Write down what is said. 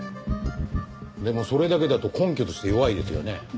でもそれだけだと根拠として弱いですよね。